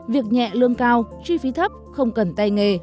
việc nhẹ lương cao chi phí thấp không cần tay nghề